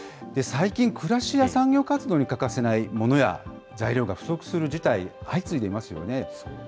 最近、暮らしや産業活動に欠かせない物や材料が不足する事態、相次いでいますよね。